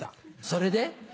それで？